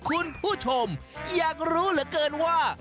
คุณผู้ชมอยากรู้เหลือเกินว่า